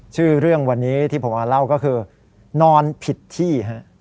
ชื่อเรื่องวันนี้ที่ผมมาเล่าก็คือนอนผิดที่ฮะ